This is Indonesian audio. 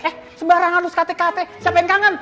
eh sembarangan lu sekate kate siapa yang kangen